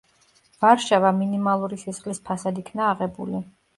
ვარშავა მინიმალური სისხლის ფასად იქნა აღებული.